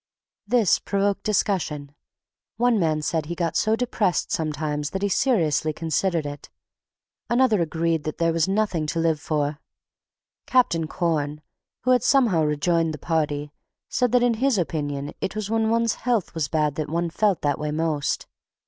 This provoked discussion. One man said that he got so depressed sometimes that he seriously considered it. Another agreed that there was nothing to live for. "Captain Corn," who had somehow rejoined the party, said that in his opinion it was when one's health was bad that one felt that way most.